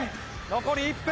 残り１分。